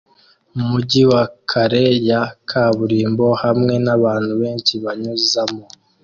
Umujyi wa kare ya kaburimbo hamwe nabantu benshi banyuzamo